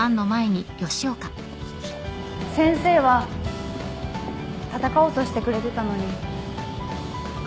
先生は戦おうとしてくれてたのにごめんなさい。